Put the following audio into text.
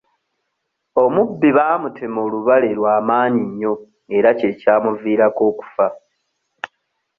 Omubbi baamutema olubale lwa maanyi nnyo era kye kyamuviirako okufa.